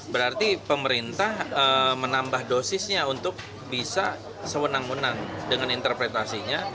berarti pemerintah menambah dosisnya untuk bisa sewenang wenang dengan interpretasinya